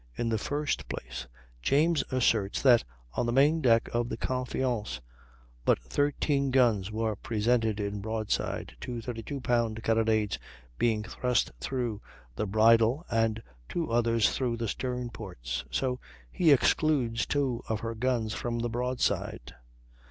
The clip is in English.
In the first place, James asserts that on the main deck of the Confiance but 13 guns were presented in broadside, two 32 pound carronades being thrust through the bridle and two others through the stern ports; so he excludes two of her guns from the broadside.